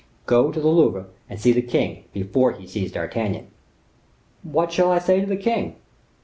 Go to the Louvre, and see the king, before he sees D'Artagnan." "What shall I say to the king?"